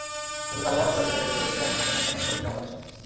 শুধু কালো হওয়ার অপরাধে জেলে যেতে হয়েছে, এমন ঘটনা এখানে ঘটছে হরহামেশা।